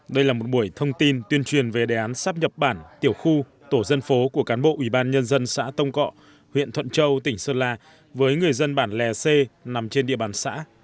đây là một buổi thông tin tuyên truyền về đề án sắp nhập bản tiểu khu tổ dân phố của cán bộ ủy ban nhân dân xã tông cọ huyện thuận châu tỉnh sơn la với người dân bản lè xê nằm trên địa bàn xã